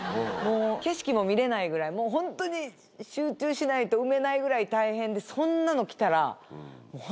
もう景色も見れないぐらいホントに集中しないと産めないぐらい大変でそんなの来たら。